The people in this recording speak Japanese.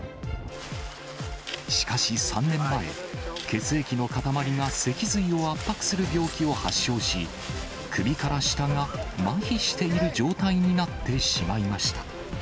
しかし３年前、血液の塊が脊髄を圧迫する病気を発症し、首から下がまひしている状態になってしまいました。